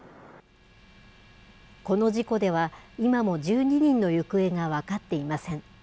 この事故では、今も１２人の行方が分かっていません。